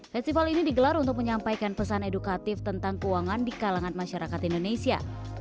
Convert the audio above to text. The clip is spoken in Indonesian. festival ini digelar untuk menyampaikan pesan edukatif tentang keuangan di kalangan masyarakat indonesia